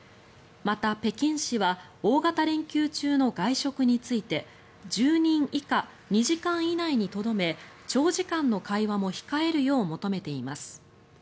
また、北京市は大型連休中の外食について１０人以下２時間以内にとどめ長時間の会話も控えるよう求めています。